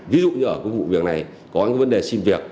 ví dụ như ở cái vụ việc này có những vấn đề xin việc